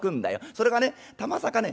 それがねたまさかね